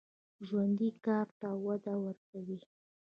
ژوندي کار ته وده ورکوي